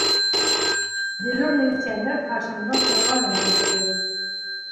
Дежур милиционер Хашимдың торғанын көттө.